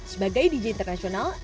sebagai dj internasional